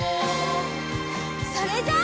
それじゃあ。